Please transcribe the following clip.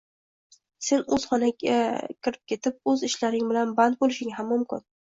Sen oʻz xonanga kirib ketib oʻz ishlaring bilan band boʻlishing ham mumkin.